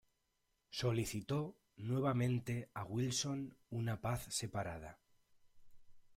Solicitó nuevamente a Wilson una paz separada.